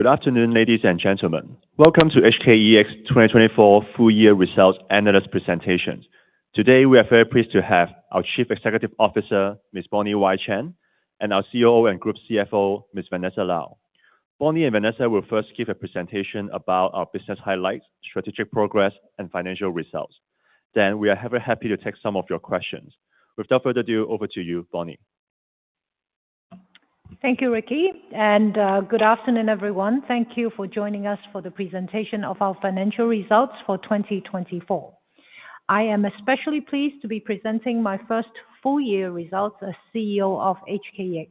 Good afternoon, ladies and gentlemen. Welcome to HKEX 2024 Full Year Results Analyst Presentations. Today, we are very pleased to have our Chief Executive Officer, Ms. Bonnie Y Chan, and our COO and Group CFO, Ms. Vanessa Lau. Bonnie and Vanessa will first give a presentation about our business highlights, strategic progress, and financial results. Then, we are very happy to take some of your questions. Without further ado, over to you, Bonnie. Thank you, Ricky, and good afternoon, everyone. Thank you for joining us for the presentation of our financial results for 2024. I am especially pleased to be presenting my first full-year results as CEO of HKEX.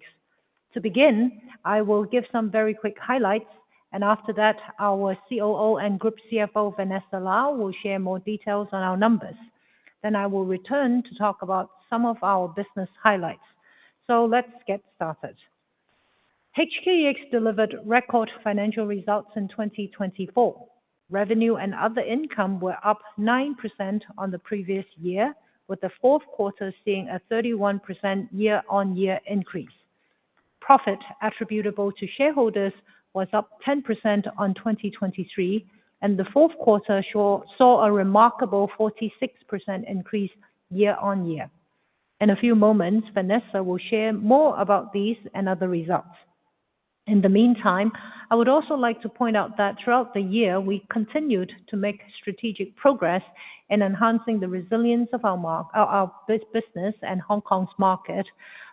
To begin, I will give some very quick highlights, and after that, our COO and Group CFO, Vanessa Lau, will share more details on our numbers. Then, I will return to talk about some of our business highlights. So, let's get started. HKEX delivered record financial results in 2024. Revenue and other income were up 9% on the previous year, with the fourth quarter seeing a 31% year-on-year increase. Profit attributable to shareholders was up 10% on 2023, and the fourth quarter saw a remarkable 46% increase year-on-year. In a few moments, Vanessa will share more about these and other results. In the meantime, I would also like to point out that throughout the year, we continued to make strategic progress in enhancing the resilience of our business and Hong Kong's market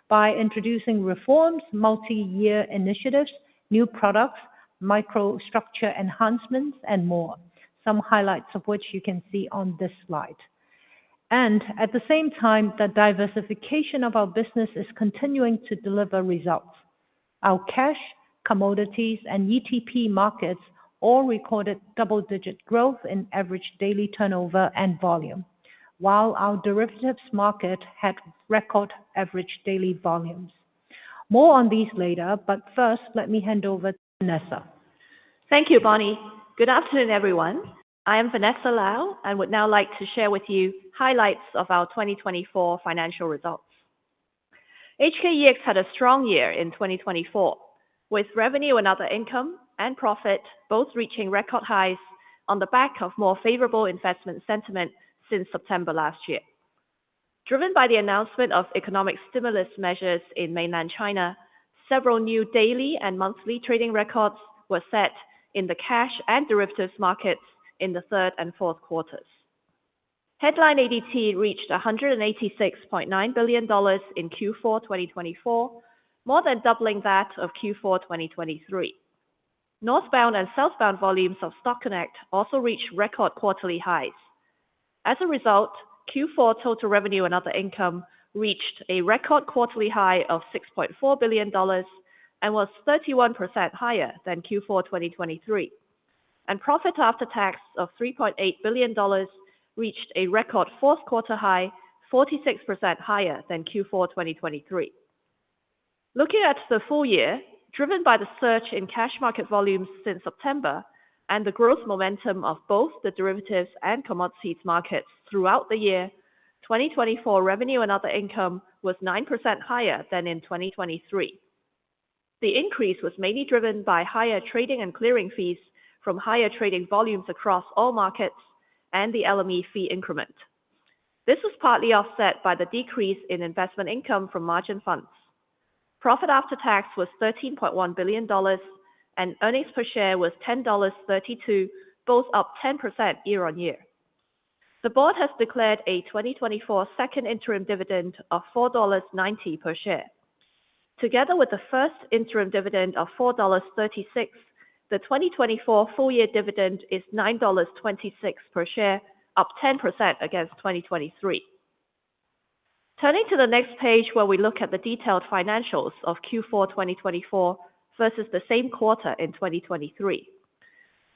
by introducing reforms, multi-year initiatives, new products, microstructure enhancements, and more, some highlights of which you can see on this slide, and at the same time, the diversification of our business is continuing to deliver results. Our cash, commodities, and ETP markets all recorded double-digit growth in average daily turnover and volume, while our derivatives market had record average daily volumes. More on these later, but first, let me hand over to Vanessa. Thank you, Bonnie. Good afternoon, everyone. I am Vanessa Lau, and would now like to share with you highlights of our 2024 financial results. HKEX had a strong year in 2024, with revenue and other income and profit both reaching record highs on the back of more favorable investment sentiment since September last year. Driven by the announcement of economic stimulus measures in Mainland China, several new daily and monthly trading records were set in the cash and derivatives markets in the third and fourth quarters. Headline ADT reached 186.9 billion dollars in Q4 2024, more than doubling that of Q4 2023. Northbound and Southbound volumes of Stock Connect also reached record quarterly highs. As a result, Q4 total revenue and other income reached a record quarterly high of 6.4 billion dollars and was 31% higher than Q4 2023. Profit after tax of 3.8 billion dollars reached a record fourth quarter high, 46% higher than Q4 2023. Looking at the full year, driven by the surge in cash market volumes since September and the growth momentum of both the derivatives and commodities markets throughout the year, 2024 revenue and other income was 9% higher than in 2023. The increase was mainly driven by higher trading and clearing fees from higher trading volumes across all markets and the LME fee increment. This was partly offset by the decrease in investment income from margin funds. Profit after tax was 13.1 billion dollars, and earnings per share was 10.32 dollars, both up 10% year-on-year. The board has declared a 2024 second interim dividend of 4.90 dollars per share. Together with the first interim dividend of 4.36 dollars, the 2024 full-year dividend is 9.26 dollars per share, up 10% against 2023. Turning to the next page where we look at the detailed financials of Q4 2024 versus the same quarter in 2023.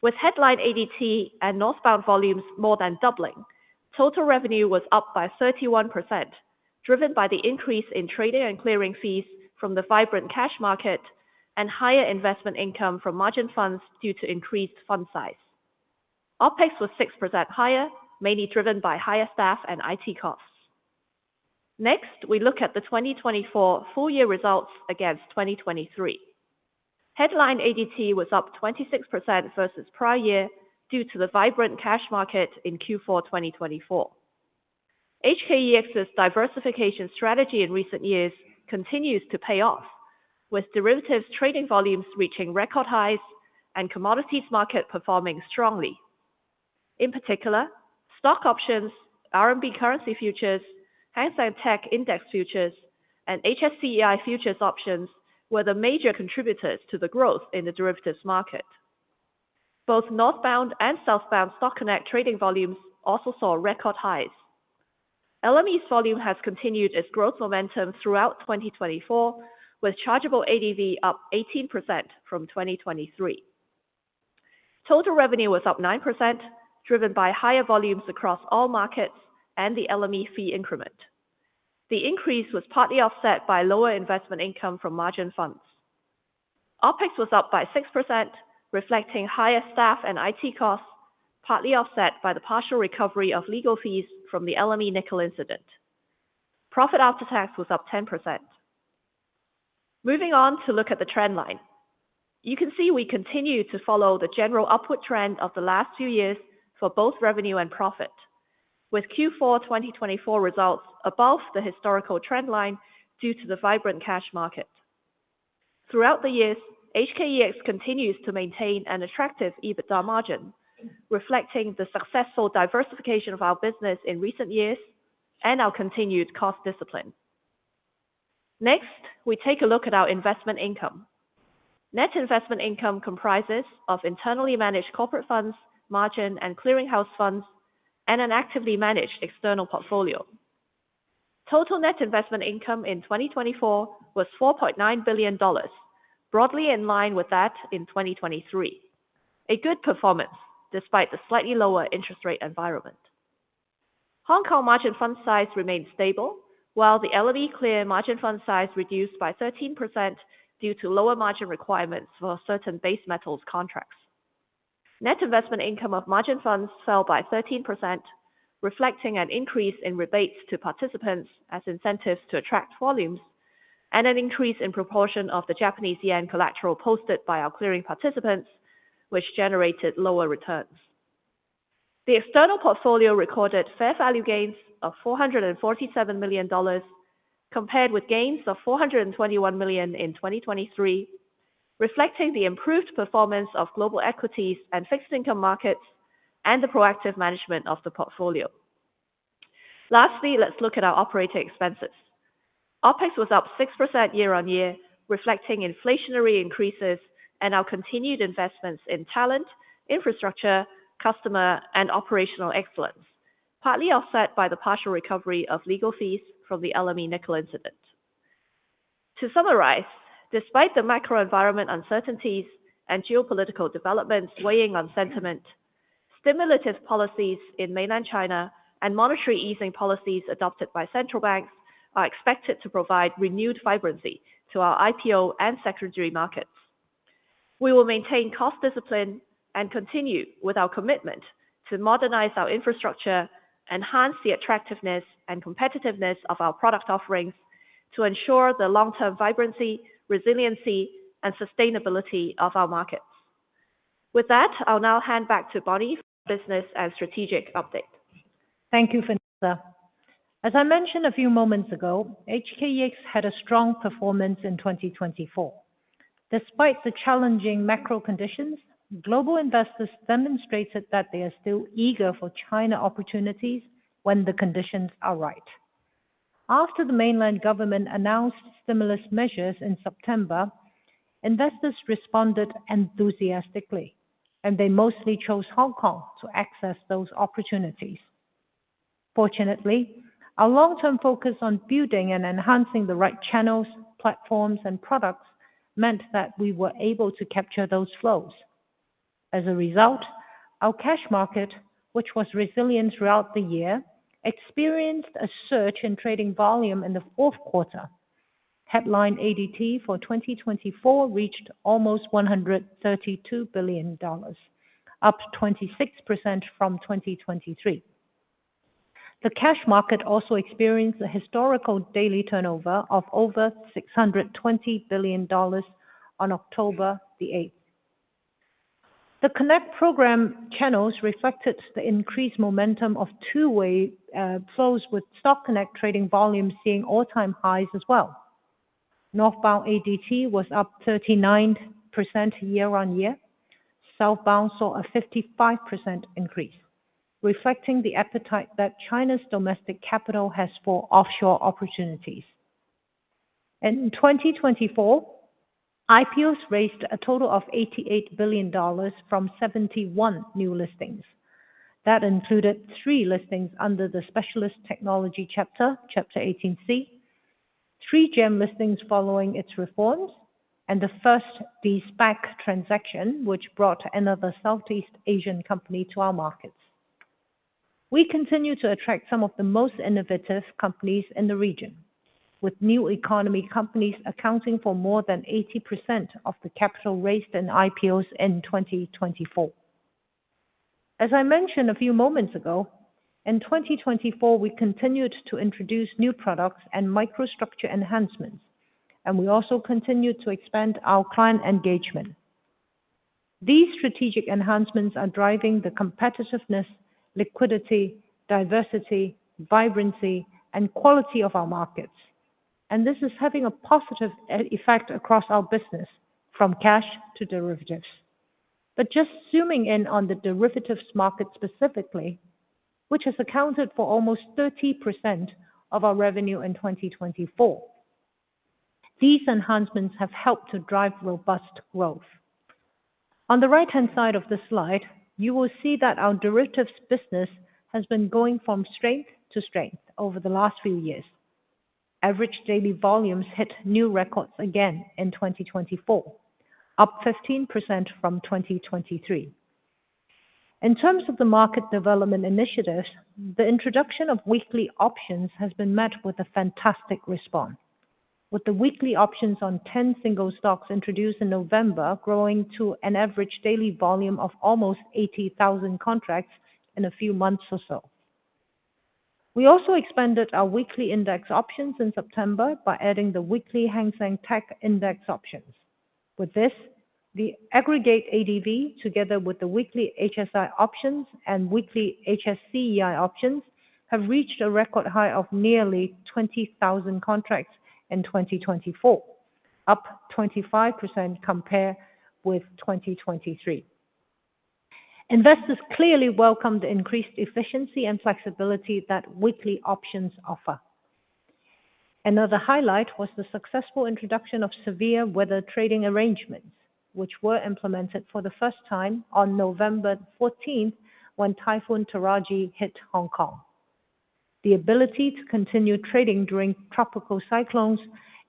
With headline ADT and Northbound volumes more than doubling, total revenue was up by 31%, driven by the increase in trading and clearing fees from the vibrant cash market and higher investment income from margin funds due to increased fund size. OPEX was 6% higher, mainly driven by higher staff and IT costs. Next, we look at the 2024 full-year results against 2023. Headline ADT was up 26% versus prior year due to the vibrant cash market in Q4 2024. HKEX's diversification strategy in recent years continues to pay off, with derivatives trading volumes reaching record highs and commodities market performing strongly. In particular, stock options, RMB currency futures, Hang Seng Tech Index futures, and HSCEI futures options were the major contributors to the growth in the derivatives market. Both Northbound and Southbound Stock Connect trading volumes also saw record highs. LME's volume has continued its growth momentum throughout 2024, with chargeable ADV up 18% from 2023. Total revenue was up 9%, driven by higher volumes across all markets and the LME fee increment. The increase was partly offset by lower investment income from margin funds. OPEX was up by 6%, reflecting higher staff and IT costs, partly offset by the partial recovery of legal fees from the LME nickel incident. Profit after tax was up 10%. Moving on to look at the trend line. You can see we continue to follow the general upward trend of the last few years for both revenue and profit, with Q4 2024 results above the historical trend line due to the vibrant cash market. Throughout the years, HKEX continues to maintain an attractive EBITDA margin, reflecting the successful diversification of our business in recent years and our continued cost discipline. Next, we take a look at our investment income. Net investment income comprises of internally managed corporate funds, margin and clearinghouse funds, and an actively managed external portfolio. Total net investment income in 2024 was 4.9 billion dollars, broadly in line with that in 2023. A good performance despite the slightly lower interest rate environment. Hong Kong margin fund size remained stable, while the LME clearing margin fund size reduced by 13% due to lower margin requirements for certain base metals contracts. Net investment income of margin funds fell by 13%, reflecting an increase in rebates to participants as incentives to attract volumes and an increase in proportion of the Japanese yen collateral posted by our clearing participants, which generated lower returns. The external portfolio recorded fair value gains of 447 million dollars compared with gains of 421 million in 2023, reflecting the improved performance of global equities and fixed income markets and the proactive management of the portfolio. Lastly, let's look at our operating expenses. OPEX was up 6% year-on-year, reflecting inflationary increases and our continued investments in talent, infrastructure, customer, and operational excellence, partly offset by the partial recovery of legal fees from the LME nickel incident. To summarize, despite the macro environment uncertainties and geopolitical developments weighing on sentiment, stimulative policies in mainland China and monetary easing policies adopted by central banks are expected to provide renewed vibrancy to our IPO and secondary markets. We will maintain cost discipline and continue with our commitment to modernize our infrastructure, enhance the attractiveness and competitiveness of our product offerings to ensure the long-term vibrancy, resiliency, and sustainability of our markets. With that, I'll now hand back to Bonnie for the business and strategic update. Thank you, Vanessa. As I mentioned a few moments ago, HKEX had a strong performance in 2024. Despite the challenging macro conditions, global investors demonstrated that they are still eager for China opportunities when the conditions are right. After the mainland government announced stimulus measures in September, investors responded enthusiastically, and they mostly chose Hong Kong to access those opportunities. Fortunately, our long-term focus on building and enhancing the right channels, platforms, and products meant that we were able to capture those flows. As a result, our cash market, which was resilient throughout the year, experienced a surge in trading volume in the fourth quarter. Headline ADT for 2024 reached almost 132 billion dollars, up 26% from 2023. The cash market also experienced a historical daily turnover of over 620 billion dollars on October the 8th. The Connect program channels reflected the increased momentum of two-way flows, with Stock Connect trading volumes seeing all-time highs as well. Northbound ADT was up 39% year-on-year. Southbound saw a 55% increase, reflecting the appetite that China's domestic capital has for offshore opportunities. In 2024, IPOs raised a total of 88 billion dollars from 71 new listings. That included three listings under the Specialist Technology Chapter, Chapter 18C, three GEM listings following its reforms, and the first De-SPAC transaction, which brought another Southeast Asian company to our markets. We continue to attract some of the most innovative companies in the region, with new economy companies accounting for more than 80% of the capital raised in IPOs in 2024. As I mentioned a few moments ago, in 2024, we continued to introduce new products and microstructure enhancements, and we also continued to expand our client engagement. These strategic enhancements are driving the competitiveness, liquidity, diversity, vibrancy, and quality of our markets, and this is having a positive effect across our business from cash to derivatives. But just zooming in on the derivatives market specifically, which has accounted for almost 30% of our revenue in 2024, these enhancements have helped to drive robust growth. On the right-hand side of the slide, you will see that our derivatives business has been going from strength to strength over the last few years. Average daily volumes hit new records again in 2024, up 15% from 2023. In terms of the market development initiatives, the introduction of weekly options has been met with a fantastic response, with the weekly options on 10 single stocks introduced in November growing to an average daily volume of almost 80,000 contracts in a few months or so. We also expanded our weekly index options in September by adding the weekly Hang Seng Tech Index options. With this, the aggregate ADV, together with the weekly HSI options and weekly HSCEI options, have reached a record high of nearly 20,000 contracts in 2024, up 25% compared with 2023. Investors clearly welcome the increased efficiency and flexibility that weekly options offer. Another highlight was the successful introduction of severe weather trading arrangements, which were implemented for the first time on November 14th when Typhoon Toraji hit Hong Kong. The ability to continue trading during tropical cyclones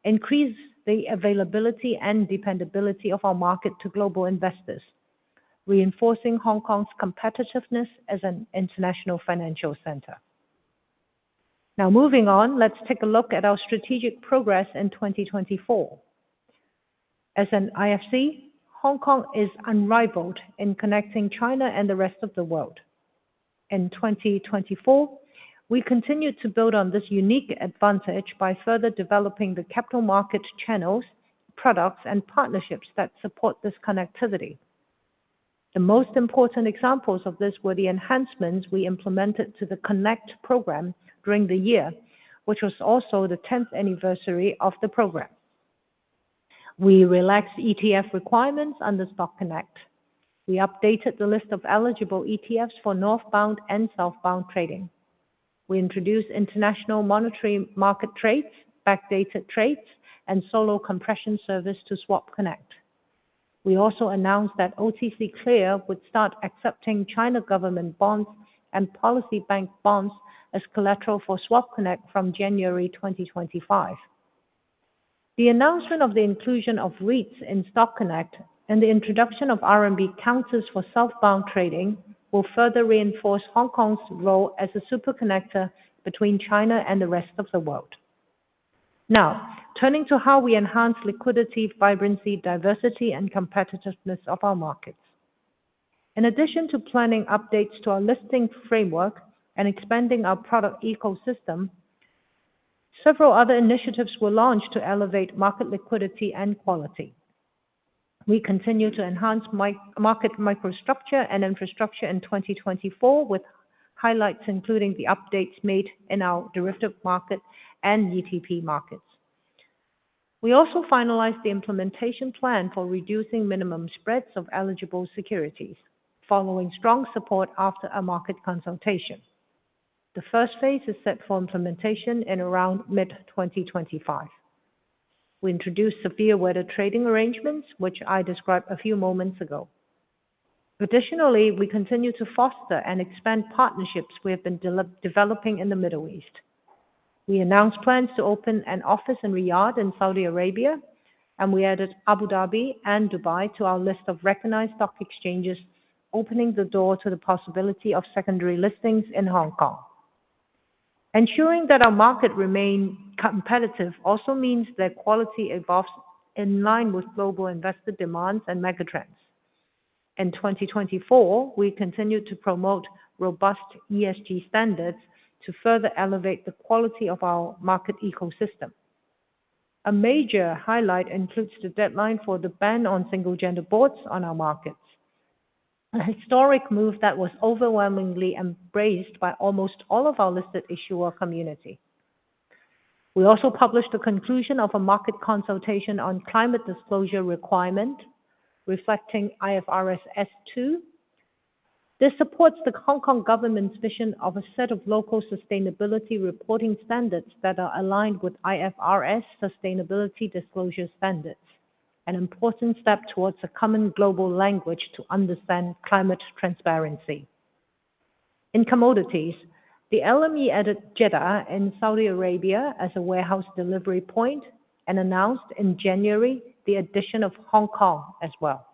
increased the availability and dependability of our market to global investors, reinforcing Hong Kong's competitiveness as an international financial center. Now, moving on, let's take a look at our strategic progress in 2024. As an IFC, Hong Kong is unrivaled in connecting China and the rest of the world. In 2024, we continue to build on this unique advantage by further developing the capital market channels, products, and partnerships that support this connectivity. The most important examples of this were the enhancements we implemented to the Connect program during the year, which was also the 10th anniversary of the program. We relaxed ETF requirements under Stock Connect. We updated the list of eligible ETFs for Northbound and Southbound trading. We introduced international monetary market trades, backdated trades, and Solo Compression service to Swap Connect. We also announced that OTC Clear would start accepting China Government Bonds and Policy Bank Bonds as collateral for Swap Connect from January 2025. The announcement of the inclusion of REITs in Stock Connect and the introduction of RMB counters for Southbound trading will further reinforce Hong Kong's role as a super connector between China and the rest of the world. Now, turning to how we enhance liquidity, vibrancy, diversity, and competitiveness of our markets. In addition to planning updates to our listing framework and expanding our product ecosystem, several other initiatives were launched to elevate market liquidity and quality. We continue to enhance market microstructure and infrastructure in 2024, with highlights including the updates made in our derivative market and ETP markets. We also finalized the implementation plan for reducing minimum spreads of eligible securities, following strong support after a market consultation. The Phase I is set for implementation in around mid-2025. We introduced severe weather trading arrangements, which I described a few moments ago. Additionally, we continue to foster and expand partnerships we have been developing in the Middle East. We announced plans to open an office in Riyadh in Saudi Arabia, and we added Abu Dhabi and Dubai to our list of recognized stock exchanges, opening the door to the possibility of secondary listings in Hong Kong. Ensuring that our market remains competitive also means their quality evolves in line with global investor demands and megatrends. In 2024, we continue to promote robust ESG standards to further elevate the quality of our market ecosystem. A major highlight includes the deadline for the ban on single-gender boards on our markets, a historic move that was overwhelmingly embraced by almost all of our listed issuer community. We also published the conclusion of a market consultation on climate disclosure requirement, reflecting IFRS S2. This supports the Hong Kong government's mission of a set of local sustainability reporting standards that are aligned with IFRS sustainability disclosure standards, an important step towards a common global language to understand climate transparency. In commodities, the LME added Jeddah in Saudi Arabia as a warehouse delivery point and announced in January the addition of Hong Kong as well.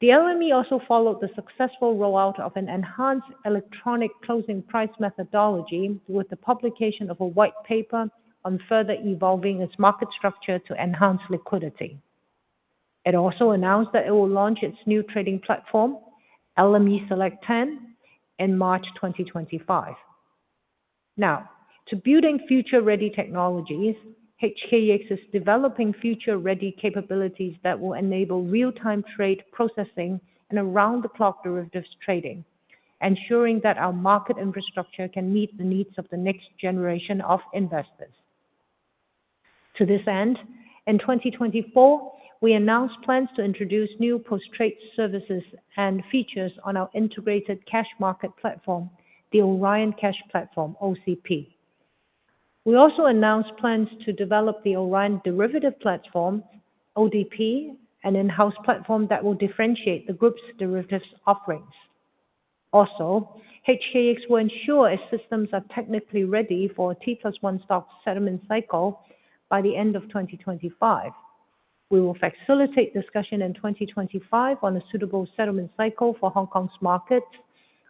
The LME also followed the successful rollout of an enhanced electronic closing price methodology with the publication of a white paper on further evolving its market structure to enhance liquidity. It also announced that it will launch its new trading platform, LMEselect 10, in March 2025. Now, to building future-ready technologies, HKEX is developing future-ready capabilities that will enable real-time trade processing and around-the-clock derivatives trading, ensuring that our market infrastructure can meet the needs of the next generation of investors. To this end, in 2024, we announced plans to introduce new post-trade services and features on our integrated cash market platform, the Orion Cash Platform (OCP). We also announced plans to develop the Orion Derivatives Platform (ODP), an in-house platform that will differentiate the group's derivatives offerings. Also, HKEX will ensure its systems are technically ready for a T+1 stock settlement cycle by the end of 2025. We will facilitate discussion in 2025 on a suitable settlement cycle for Hong Kong's markets,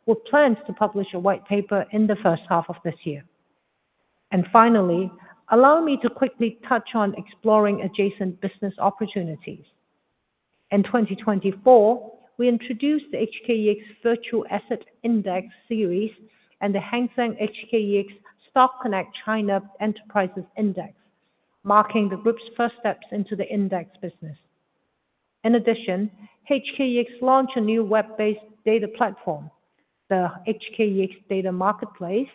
with plans to publish a white paper in the first half of this year. And finally, allow me to quickly touch on exploring adjacent business opportunities. In 2024, we introduced the HKEX Virtual Asset Index Series and the Hang Seng HKEX Stock Connect China Enterprises Index, marking the group's first steps into the index business. In addition, HKEX launched a new web-based data platform, the HKEX Data Marketplace,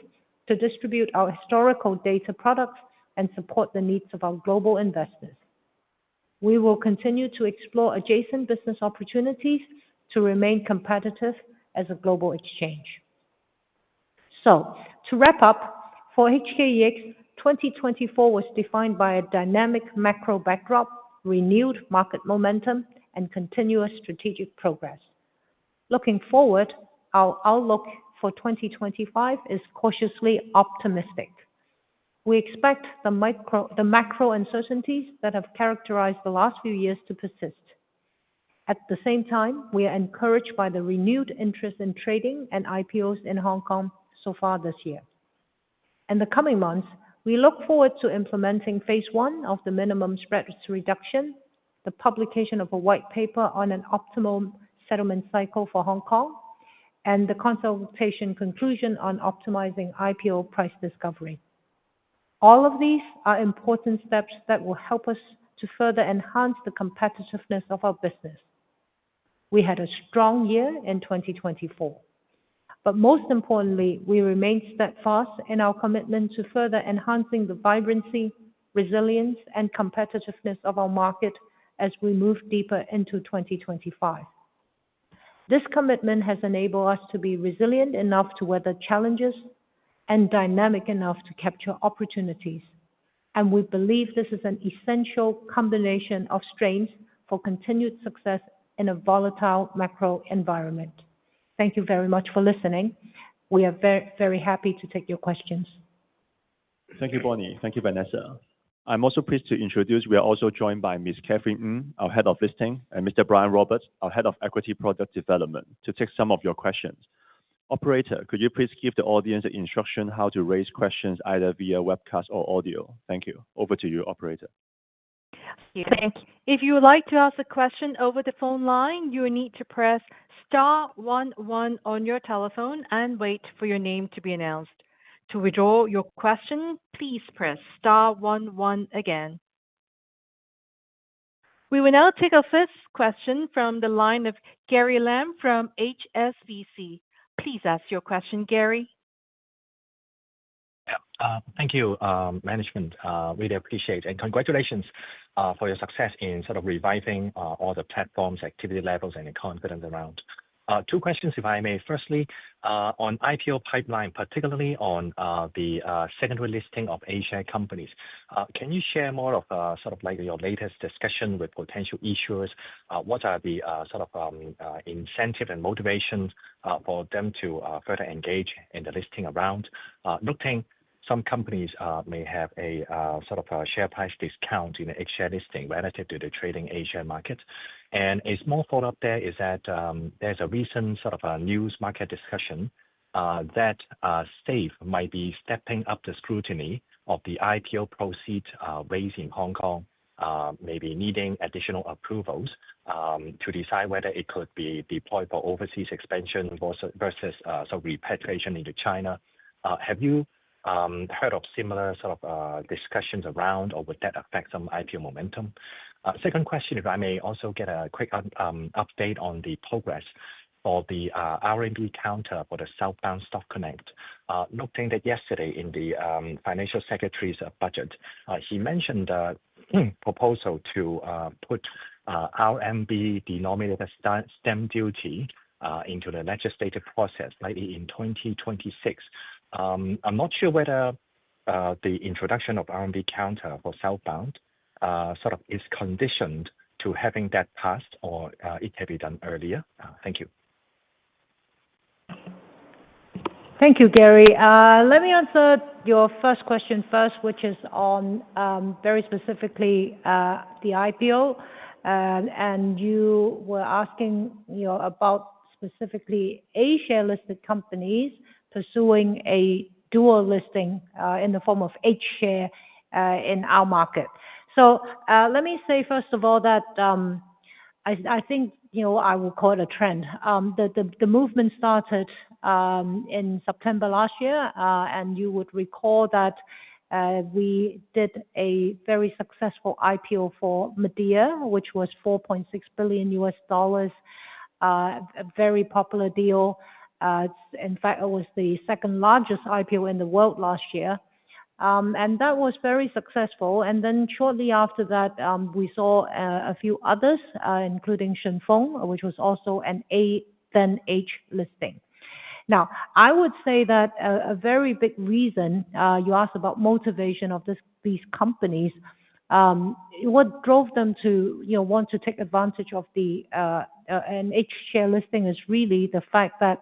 to distribute our historical data products and support the needs of our global investors. We will continue to explore adjacent business opportunities to remain competitive as a global exchange. So, to wrap up, for HKEX, 2024 was defined by a dynamic macro backdrop, renewed market momentum, and continuous strategic progress. Looking forward, our outlook for 2025 is cautiously optimistic. We expect the macro uncertainties that have characterized the last few years to persist. At the same time, we are encouraged by the renewed interest in trading and IPOs in Hong Kong so far this year. In the coming months, we look forward to implementing Phase I of the minimum spreads reduction, the publication of a white paper on an optimal settlement cycle for Hong Kong, and the consultation conclusion on optimizing IPO price discovery. All of these are important steps that will help us to further enhance the competitiveness of our business. We had a strong year in 2024, but most importantly, we remained steadfast in our commitment to further enhancing the vibrancy, resilience, and competitiveness of our market as we move deeper into 2025. This commitment has enabled us to be resilient enough to weather challenges and dynamic enough to capture opportunities, and we believe this is an essential combination of strengths for continued success in a volatile macro environment. Thank you very much for listening. We are very, very happy to take your questions. Thank you, Bonnie. Thank you, Vanessa. I'm also pleased. We are also joined by Ms. Katherine Ng, our Head of Listing, and Mr. Brian Roberts, our Head of Equity Product Development, to take some of your questions. Operator, could you please give the audience an instruction how to raise questions either via webcast or audio? Thank you. Over to you, Operator. Thank you. If you would like to ask a question over the phone line, you will need to press star one one on your telephone and wait for your name to be announced. To withdraw your question, please press star one one again. We will now take our first question from the line of Gary Lam from HSBC. Please ask your question, Gary. Thank you, Management. Really appreciate it. And congratulations for your success in sort of reviving all the platforms, activity levels, and the confidence around. Two questions, if I may. Firstly, on IPO pipeline, particularly on the secondary listing of Asia companies, can you share more of sort of like your latest discussion with potential issuers? What are the sort of incentives and motivations for them to further engage in the listing around? Looking, some companies may have a sort of share price discount in the H-share listing relative to the trading A-share market. And a small follow-up there is that there's a recent sort of news market discussion that SAFE might be stepping up the scrutiny of the IPO proceeds raised in Hong Kong, maybe needing additional approvals to decide whether it could be deployed for overseas expansion versus some repatriation into China. Have you heard of similar sort of discussions around, or would that affect some IPO momentum? Second question, if I may also get a quick update on the progress for the RMB counter for the Southbound Stock Connect. Looking at yesterday in the Financial Secretary's budget, he mentioned a proposal to put RMB-denominated stamp duty into the legislative process, likely in 2026. I'm not sure whether the introduction of RMB counter for Southbound sort of is conditioned to having that passed or it can be done earlier. Thank you. Thank you, Gary. Let me answer your first question first, which is on very specifically the IPO. You were asking about specifically A-share listed companies pursuing a dual listing in the form of H-share in our market. So let me say, first of all, that I think I will call it a trend. The movement started in September last year, and you would recall that we did a very successful IPO for Midea, which was $4.6 billion, a very popular deal. In fact, it was the second largest IPO in the world last year. That was very successful. Then shortly after that, we saw a few others, including Shun Feng, which was also an A+H listing. Now, I would say that a very big reason you asked about motivation of these companies, what drove them to want to take advantage of an H-share listing is really the fact that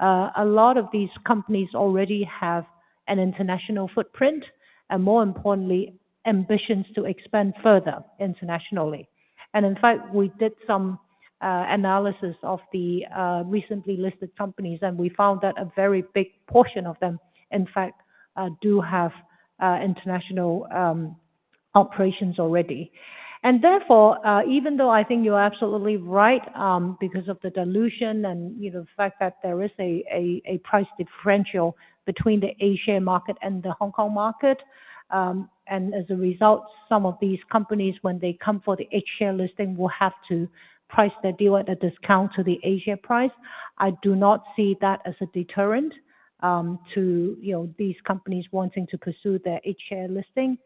a lot of these companies already have an international footprint and, more importantly, ambitions to expand further internationally. In fact, we did some analysis of the recently listed companies, and we found that a very big portion of them, in fact, do have international operations already. And therefore, even though I think you're absolutely right because of the dilution and the fact that there is a price differential between the A-share market and the Hong Kong market, and as a result, some of these companies, when they come for the H-share listing, will have to price their deal at a discount to the A-share price, I do not see that as a deterrent to these companies wanting to pursue their H-share listing.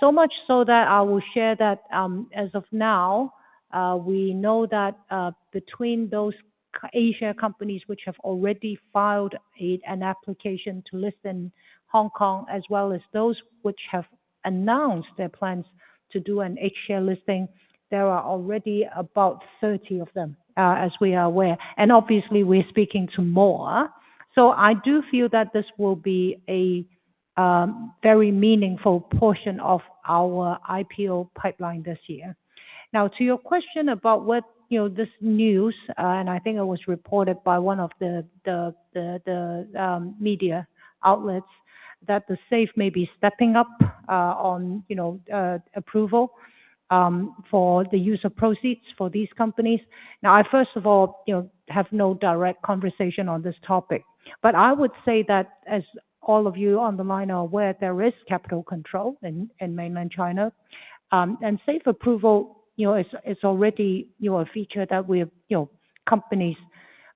So much so that I will share that as of now, we know that between those A-share companies which have already filed an application to list in Hong Kong, as well as those which have announced their plans to do an H-share listing, there are already about 30 of them, as we are aware. And obviously, we're speaking to more. So I do feel that this will be a very meaningful portion of our IPO pipeline this year. Now, to your question about this news, and I think it was reported by one of the media outlets, that the SAFE may be stepping up on approval for the use of proceeds for these companies. Now, I, first of all, have no direct conversation on this topic. But I would say that, as all of you on the line are aware, there is capital control in Mainland China. And SAFE approval is already a feature that companies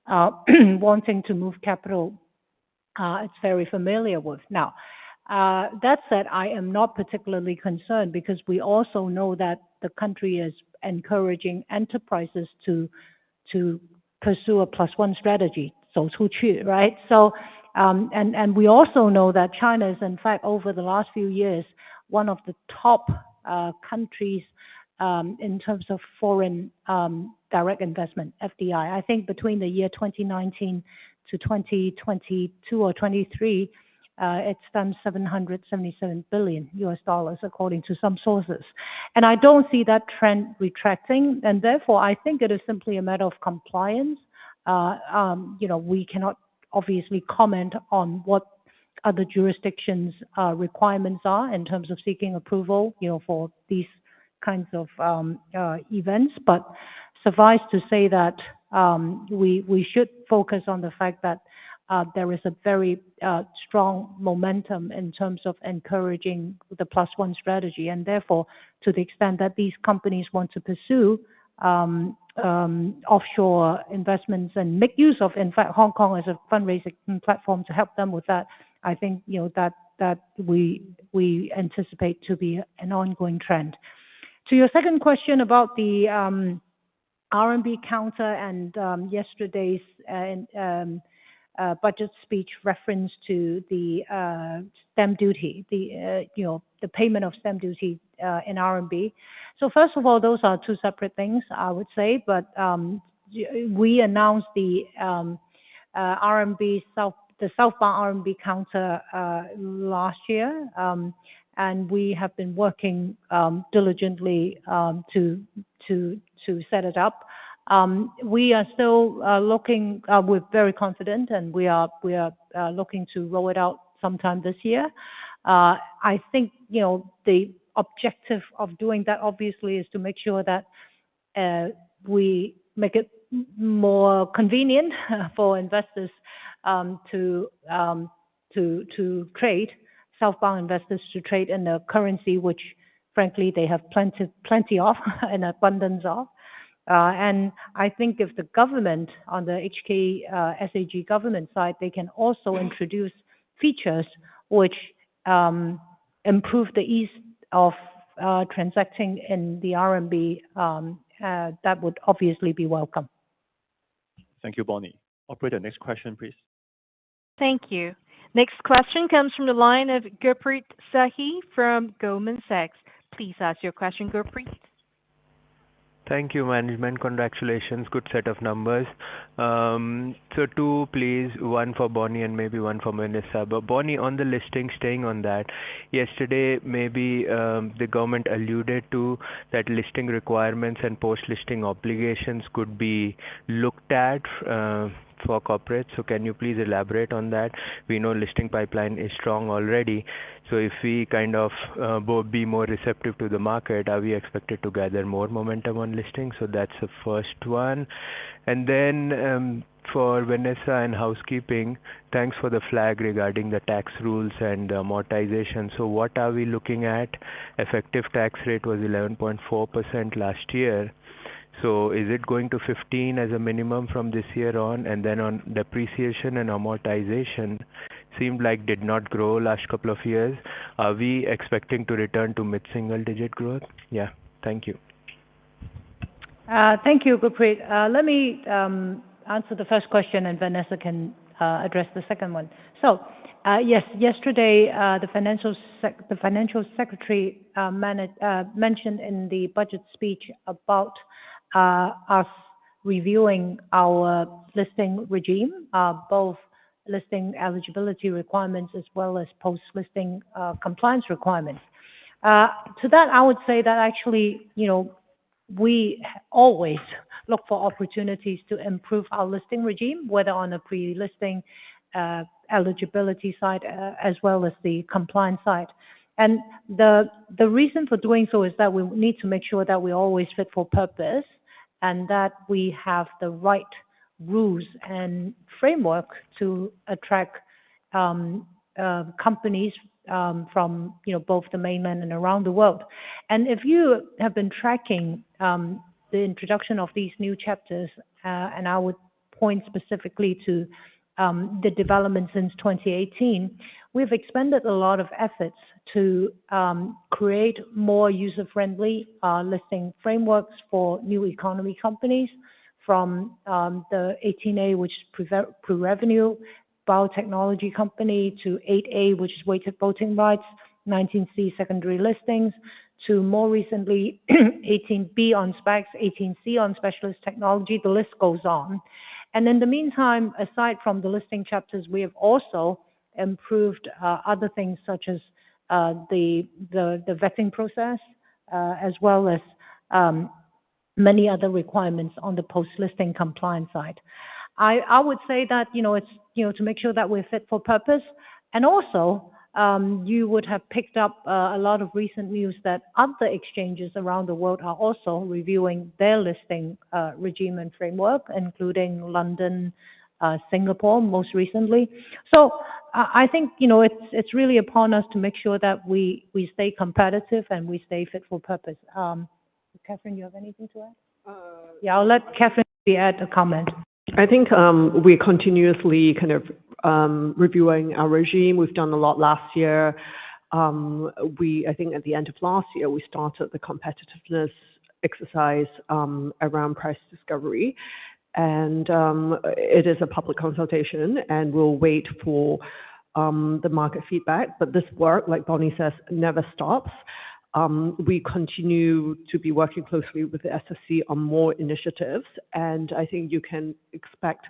wanting to move capital are very familiar with. Now, that said, I am not particularly concerned because we also know that the country is encouraging enterprises to pursue a plus-one strategy. So to choose, right? We also know that China is, in fact, over the last few years, one of the top countries in terms of foreign direct investment, FDI. I think between the year 2019 to 2022 or 2023, it spent $777 billion, according to some sources. I don't see that trend retracting. Therefore, I think it is simply a matter of compliance. We cannot obviously comment on what other jurisdictions' requirements are in terms of seeking approval for these kinds of events. Suffice to say that we should focus on the fact that there is a very strong momentum in terms of encouraging the plus-one strategy. Therefore, to the extent that these companies want to pursue offshore investments and make use of, in fact, Hong Kong as a fundraising platform to help them with that, I think that we anticipate to be an ongoing trend. To your second question about the RMB counter and yesterday's budget speech reference to the stamp duty, the payment of stamp duty in RMB. So first of all, those are two separate things, I would say. But we announced the Southbound RMB counter last year, and we have been working diligently to set it up. We are still looking with very confidence, and we are looking to roll it out sometime this year. I think the objective of doing that, obviously, is to make sure that we make it more convenient for investors to trade, Southbound investors to trade in a currency which, frankly, they have plenty of, an abundance of. And I think if the government, on the HKSAR government side, they can also introduce features which improve the ease of transacting in the RMB, that would obviously be welcome. Thank you, Bonnie. Operator, next question, please. Thank you. Next question comes from the line of Gurpreet Sahi from Goldman Sachs. Please ask your question, Gurpreet. Thank you, Management. Congratulations. Good set of numbers. So two, please. One for Bonnie and maybe one for Vanessa. But Bonnie, on the listing, staying on that, yesterday, maybe the government alluded to that listing requirements and post-listing obligations could be looked at for corporates. So can you please elaborate on that? We know listing pipeline is strong already. So if we kind of be more receptive to the market, are we expected to gather more momentum on listing? So that's the first one. And then for Vanessa and housekeeping, thanks for the flag regarding the tax rules and amortization. So what are we looking at? Effective tax rate was 11.4% last year. So is it going to 15% as a minimum from this year on? And then on depreciation and amortization, seemed like did not grow last couple of years. Are we expecting to return to mid-single-digit growth? Yeah. Thank you. Thank you, Gurpreet. Let me answer the first question, and Vanessa can address the second one. So yes, yesterday, the Financial Secretary mentioned in the budget speech about us reviewing our listing regime, both listing eligibility requirements as well as post-listing compliance requirements. To that, I would say that actually we always look for opportunities to improve our listing regime, whether on the pre-listing eligibility side as well as the compliance side. And the reason for doing so is that we need to make sure that we always fit for purpose and that we have the right rules and framework to attract companies from both the mainland and around the world. If you have been tracking the introduction of these new chapters, and I would point specifically to the development since 2018, we've expended a lot of efforts to create more user-friendly listing frameworks for new economy companies from the 18A, which is pre-revenue biotechnology company, to 8A, which is weighted voting rights, 19C secondary listings, to more recently 18B on SPACs, 18C on specialist technology. The list goes on. In the meantime, aside from the listing chapters, we have also improved other things such as the vetting process as well as many other requirements on the post-listing compliance side. I would say that it's to make sure that we're fit for purpose. Also, you would have picked up a lot of recent news that other exchanges around the world are also reviewing their listing regime and framework, including London, Singapore, most recently. So I think it's really upon us to make sure that we stay competitive and we stay fit for purpose. Katherine, do you have anything to add? Yeah, I'll let Katherine add a comment. I think we're continuously kind of reviewing our regime. We've done a lot last year. I think at the end of last year, we started the competitiveness exercise around price discovery. And it is a public consultation, and we'll wait for the market feedback. But this work, like Bonnie says, never stops. We continue to be working closely with the SSC on more initiatives. And I think you can expect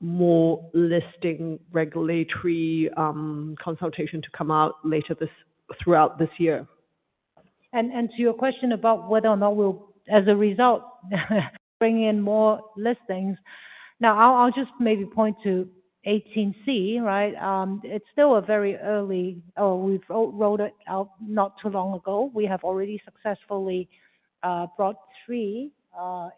more listing regulatory consultation to come out later throughout this year. And to your question about whether or not we'll, as a result, bring in more listings, now I'll just maybe point to 18C, right? It's still a very early, or we've rolled it out not too long ago. We have already successfully brought three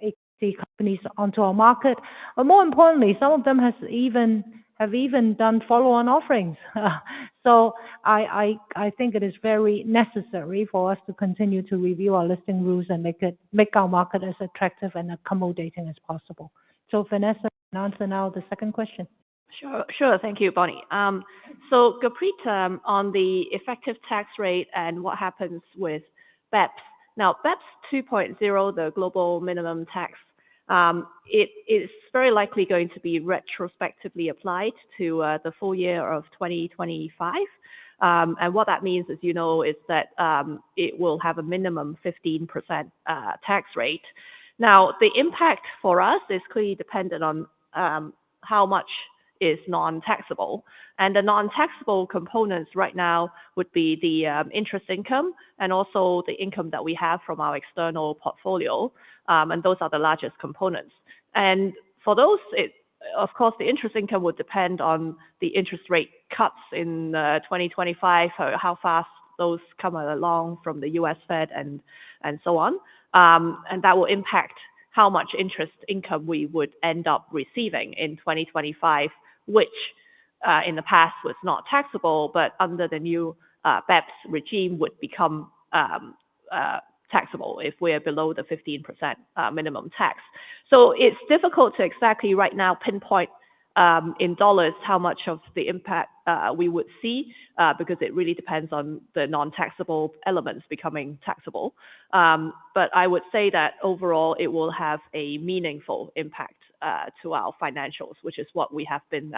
H-share companies onto our market. But more importantly, some of them have even done follow-on offerings. I think it is very necessary for us to continue to review our listing rules and make our market as attractive and accommodating as possible. Vanessa, answer now the second question. Sure. Sure. Thank you, Bonnie. Gurpreet, on the effective tax rate and what happens with BEPS. Now, BEPS 2.0, the global minimum tax, it's very likely going to be retrospectively applied to the full year of 2025. And what that means, as you know, is that it will have a minimum 15% tax rate. Now, the impact for us is clearly dependent on how much is non-taxable. The non-taxable components right now would be the interest income and also the income that we have from our external portfolio. Those are the largest components. For those, of course, the interest income would depend on the interest rate cuts in 2025, how fast those come along from the U.S. Fed and so on. That will impact how much interest income we would end up receiving in 2025, which in the past was not taxable, but under the new BEPS regime would become taxable if we are below the 15% minimum tax. It's difficult to exactly right now pinpoint in dollars how much of the impact we would see because it really depends on the non-taxable elements becoming taxable. But I would say that overall, it will have a meaningful impact to our financials, which is what we have been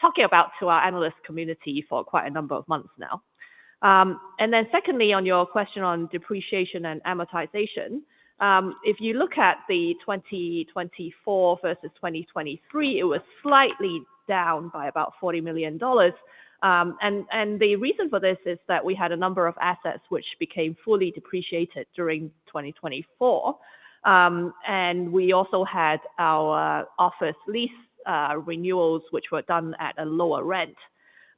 talking about to our analyst community for quite a number of months now. And then secondly, on your question on depreciation and amortization, if you look at the 2024 versus 2023, it was slightly down by about 40 million dollars. And the reason for this is that we had a number of assets which became fully depreciated during 2024. And we also had our office lease renewals, which were done at a lower rent.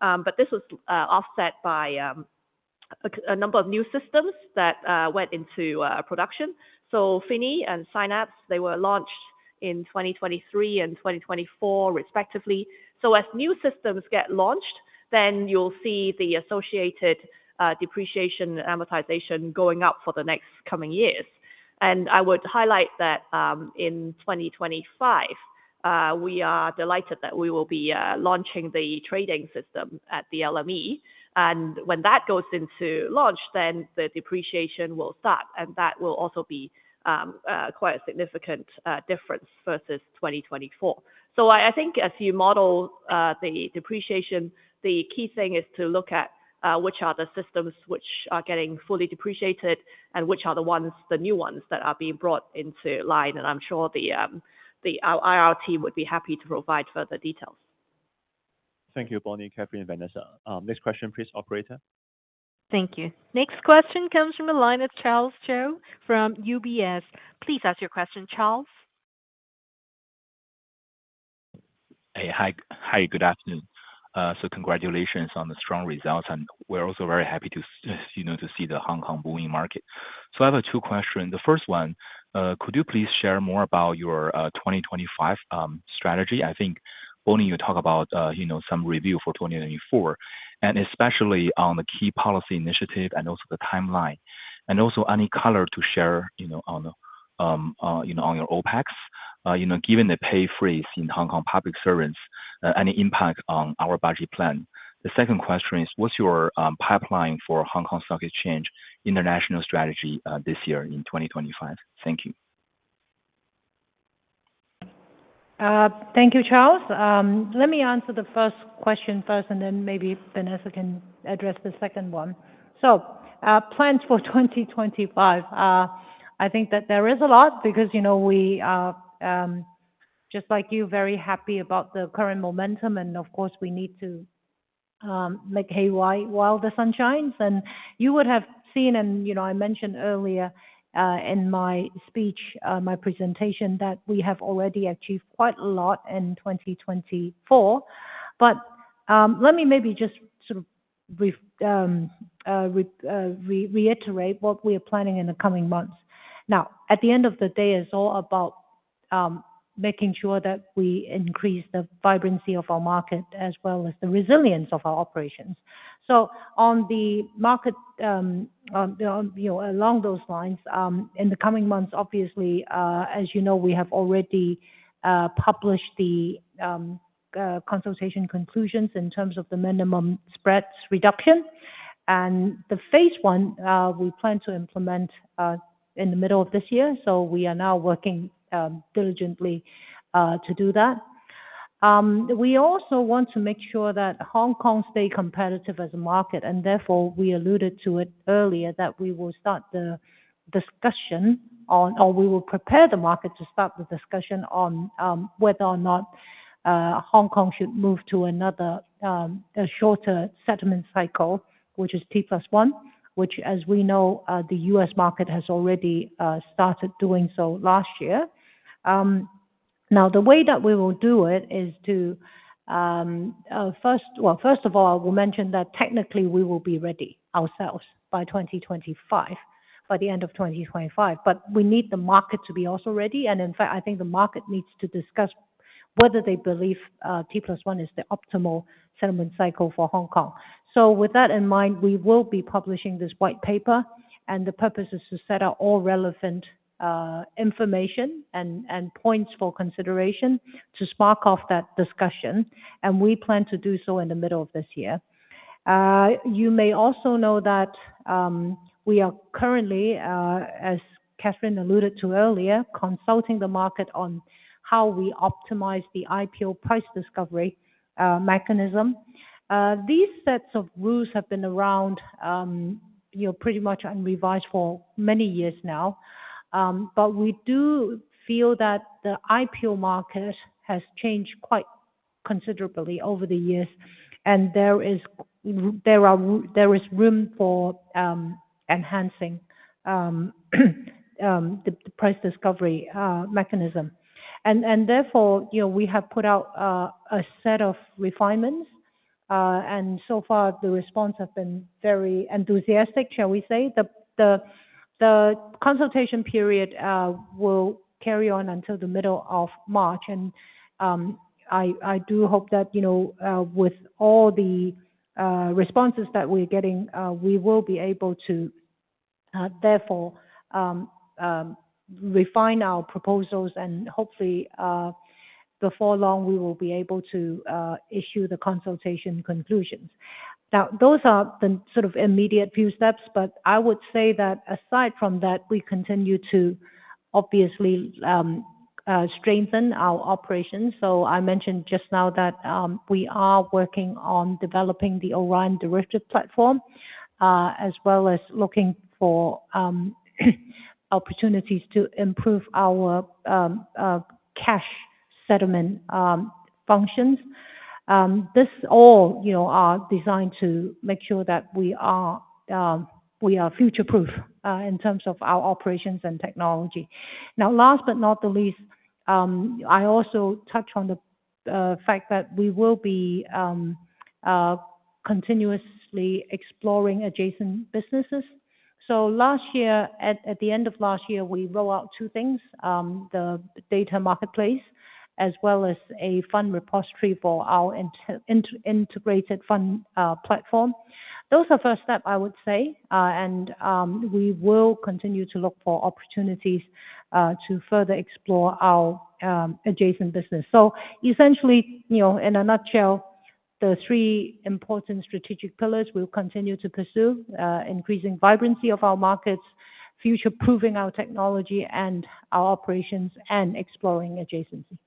But this was offset by a number of new systems that went into production. So FINI and Synapse, they were launched in 2023 and 2024, respectively. So as new systems get launched, then you'll see the associated depreciation amortization going up for the next coming years. I would highlight that in 2025, we are delighted that we will be launching the trading system at the LME. And when that goes into launch, then the depreciation will stop. And that will also be quite a significant difference versus 2024. So I think as you model the depreciation, the key thing is to look at which are the systems which are getting fully depreciated and which are the new ones that are being brought into line. And I'm sure the IR team would be happy to provide further details. Thank you, Bonnie, Katherine, and Vanessa. Next question, please, Operator. Thank you. Next question comes from the line of Charles Zhou from UBS. Please ask your question, Charles. Hey, hi. Hi, good afternoon. So congratulations on the strong results. And we're also very happy to see the Hong Kong bull market. So I have two questions. The first one, could you please share more about your 2025 strategy? I think, Bonnie, you talked about some review for 2024, and especially on the key policy initiative and also the timeline. And also, any color to share on your OPEX, given the pay freeze in Hong Kong public servants, any impact on our budget plan. The second question is, what's your pipeline for Hong Kong Stock Exchange international strategy this year in 2025? Thank you. Thank you, Charles. Let me answer the first question first, and then maybe Vanessa can address the second one. Plans for 2025, I think that there is a lot because we are, just like you, very happy about the current momentum. Of course, we need to make hay while the sun shines. You would have seen, and I mentioned earlier in my speech, my presentation, that we have already achieved quite a lot in 2024. Let me maybe just sort of reiterate what we are planning in the coming months. Now, at the end of the day, it's all about making sure that we increase the vibrancy of our market as well as the resilience of our operations. On the market, along those lines, in the coming months, obviously, as you know, we have already published the consultation conclusions in terms of the minimum spreads reduction. The Phase I, we plan to implement in the middle of this year. We are now working diligently to do that. We also want to make sure that Hong Kong stays competitive as a market. Therefore, we alluded to it earlier that we will start the discussion on, or we will prepare the market to start the discussion on whether or not Hong Kong should move to another shorter settlement cycle, which is T+1, which, as we know, the US market has already started doing so last year. Now, the way that we will do it is to, well, first of all, I will mention that technically, we will be ready ourselves by 2025, by the end of 2025. We need the market to be also ready. In fact, I think the market needs to discuss whether they believe T+1 is the optimal settlement cycle for Hong Kong. With that in mind, we will be publishing this white paper. The purpose is to set out all relevant information and points for consideration to spark off that discussion. And we plan to do so in the middle of this year. You may also know that we are currently, as Katherine alluded to earlier, consulting the market on how we optimize the IPO price discovery mechanism. These sets of rules have been around pretty much unrevised for many years now. But we do feel that the IPO market has changed quite considerably over the years. And there is room for enhancing the price discovery mechanism. And therefore, we have put out a set of refinements. And so far, the response has been very enthusiastic, shall we say. The consultation period will carry on until the middle of March. And I do hope that with all the responses that we're getting, we will be able to therefore refine our proposals. And hopefully, before long, we will be able to issue the consultation conclusions. Now, those are the sort of immediate few steps. But I would say that aside from that, we continue to obviously strengthen our operations. So I mentioned just now that we are working on developing the Orion Derivatives Platform as well as looking for opportunities to improve our cash settlement functions. This all are designed to make sure that we are future-proof in terms of our operations and technology. Now, last but not the least, I also touch on the fact that we will be continuously exploring adjacent businesses. So last year, at the end of last year, we rolled out two things: the Data Marketplace as well as a fund repository for our Integrated Fund Platform. Those are first steps, I would say. And we will continue to look for opportunities to further explore our adjacent business. So essentially, in a nutshell, the three important strategic pillars we'll continue to pursue: increasing vibrancy of our markets, future-proofing our technology and our operations, and exploring adjacency.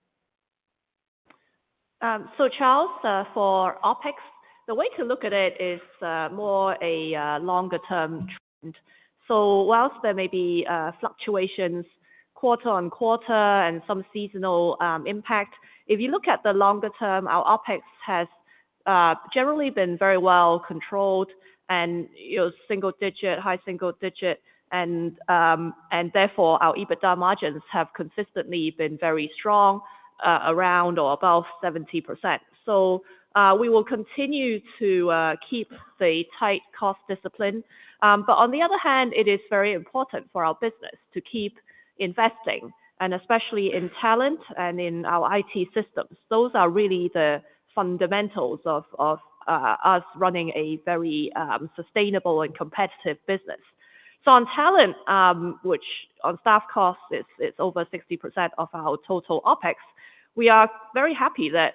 So Charles, for OpEx, the way to look at it is more a longer-term trend. So while there may be fluctuations quarter on quarter and some seasonal impact, if you look at the longer term, our OpEx has generally been very well controlled and single-digit, high single-digit. And therefore, our EBITDA margins have consistently been very strong around or above 70%. So we will continue to keep the tight cost discipline. But on the other hand, it is very important for our business to keep investing, and especially in talent and in our IT systems. Those are really the fundamentals of us running a very sustainable and competitive business. So, on talent, which on staff costs, it's over 60% of our total OPEX. We are very happy that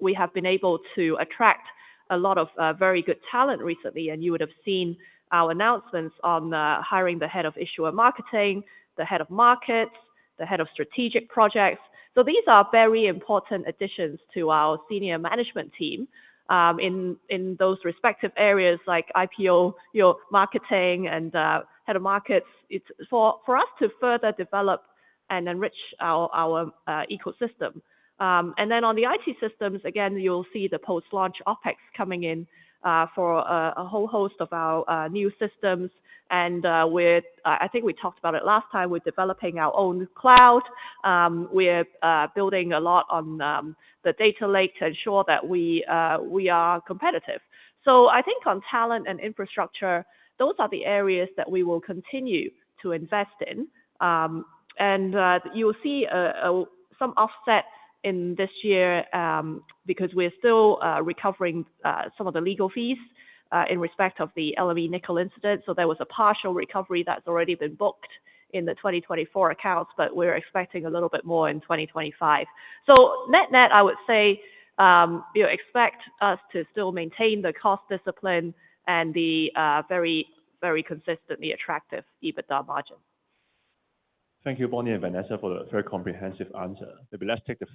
we have been able to attract a lot of very good talent recently. And you would have seen our announcements on hiring the Head of Issuer Marketing, the Head of Markets, the Head of Strategic Projects. So these are very important additions to our senior management team in those respective areas like IPO marketing and head of markets for us to further develop and enrich our ecosystem. And then on the IT systems, again, you'll see the post-launch OPEX coming in for a whole host of our new systems. And I think we talked about it last time. We're developing our own cloud. We're building a lot on the data lake to ensure that we are competitive. So I think on talent and infrastructure, those are the areas that we will continue to invest in. And you'll see some offset in this year because we're still recovering some of the legal fees in respect of the LME nickel incident. So there was a partial recovery that's already been booked in the 2024 accounts, but we're expecting a little bit more in 2025. So net net, I would say expect us to still maintain the cost discipline and the very, very consistently attractive EBITDA margin. Thank you, Bonnie and Vanessa, for the very comprehensive answer. Maybe let's take the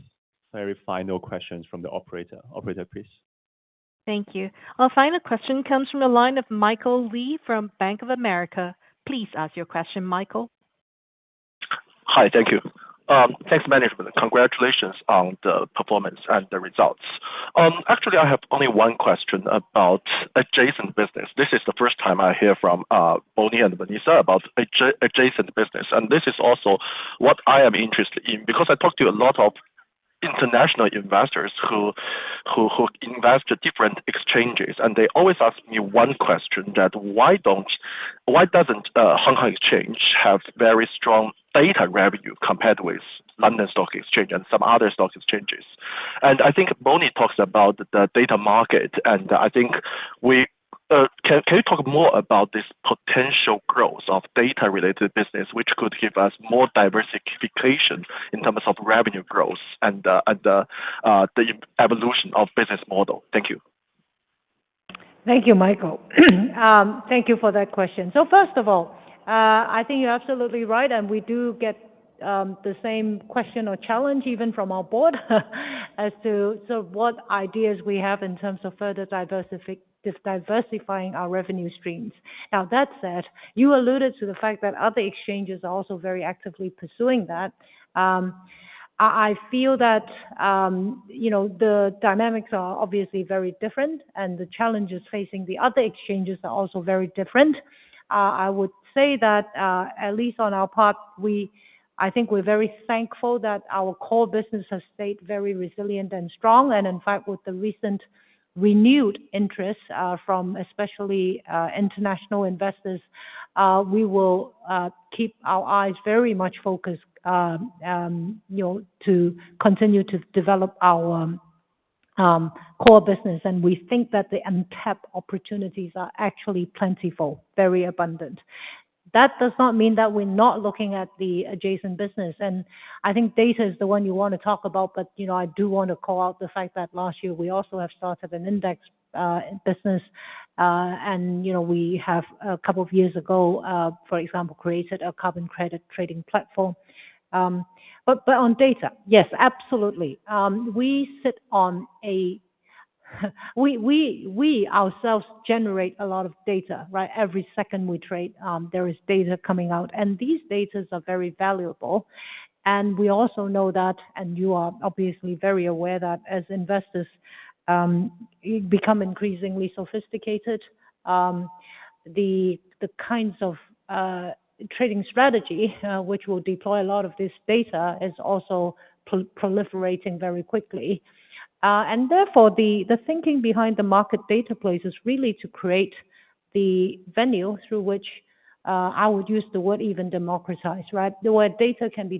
very final questions from the operator. Operator, please. Thank you. Our final question comes from the line of Michael Lee from Bank of America. Please ask your question, Michael. Hi, thank you. Thanks, Management. Congratulations on the performance and the results. Actually, I have only one question about adjacent business. This is the first time I hear from Bonnie and Vanessa about adjacent business. And this is also what I am interested in because I talked to a lot of international investors who invest at different exchanges. And they always ask me one question that, why doesn't Hong Kong Exchange have very strong data revenue compared with London Stock Exchange and some other stock exchanges? And I think Bonnie talks about the data market. And I think can you talk more about this potential growth of data-related business, which could give us more diversification in terms of revenue growth and the evolution of business model? Thank you. Thank you, Michael. Thank you for that question. So first of all, I think you're absolutely right. We do get the same question or challenge even from our board as to what ideas we have in terms of further diversifying our revenue streams. Now, that said, you alluded to the fact that other exchanges are also very actively pursuing that. I feel that the dynamics are obviously very different. And the challenges facing the other exchanges are also very different. I would say that, at least on our part, I think we're very thankful that our core business has stayed very resilient and strong. And in fact, with the recent renewed interest from especially international investors, we will keep our eyes very much focused to continue to develop our core business. And we think that the untapped opportunities are actually plentiful, very abundant. That does not mean that we're not looking at the adjacent business. And I think data is the one you want to talk about. But I do want to call out the fact that last year, we also have started an index business. And we have, a couple of years ago, for example, created a carbon credit trading platform. But on data, yes, absolutely. We sit on, we ourselves generate a lot of data, right? Every second we trade, there is data coming out. And these data are very valuable. And we also know that, and you are obviously very aware that as investors become increasingly sophisticated, the kinds of trading strategy which will deploy a lot of this data is also proliferating very quickly. And therefore, the thinking behind the market data plays is really to create the venue through which I would use the word even democratize, right? Where data can be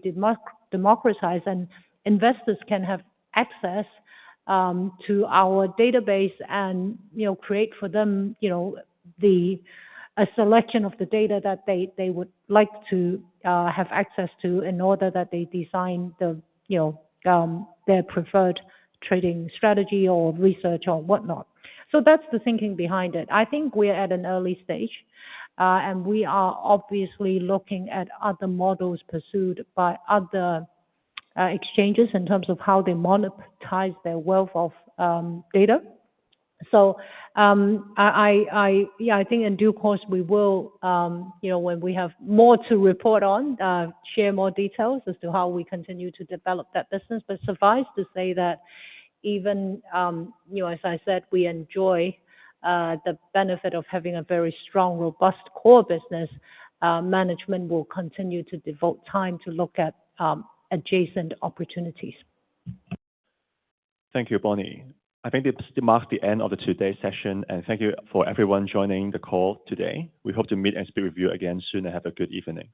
democratized and investors can have access to our database and create for them a selection of the data that they would like to have access to in order that they design their preferred trading strategy or research or whatnot. So that's the thinking behind it. I think we're at an early stage. And we are obviously looking at other models pursued by other exchanges in terms of how they monetize their wealth of data. So yeah, I think in due course, we will, when we have more to report on, share more details as to how we continue to develop that business. But suffice to say that even, as I said, we enjoy the benefit of having a very strong, robust core business. Management will continue to devote time to look at adjacent opportunities. Thank you, Bonnie. I think this marks the end of today's session and thank you to everyone joining the call today. We hope to meet and speak with you again soon and have a good evening.